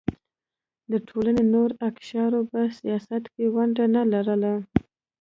د ټولنې نورو اقشارو په سیاست کې ونډه نه لرله.